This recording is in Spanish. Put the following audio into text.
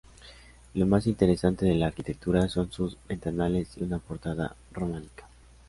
Lo más interesante de la arquitectura son sus ventanales y una portada románica.